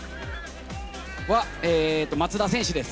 松田選手です。